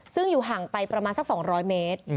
ซึ่งอยู่ห่างไปประมาณสัก๒๐๐เมตร